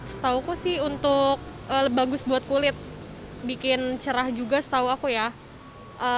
setahuku sih untuk bagus buat kulit bikin cerah juga setahu aku ya